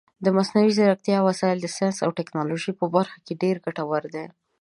د مصنوعي ځیرکتیا وسایل د ساینس او ټکنالوژۍ په برخه کې ډېر ګټور دي.